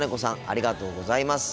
ありがとうございます。